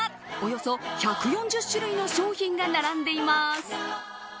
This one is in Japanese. およそ１４０種類の商品が並んでいます。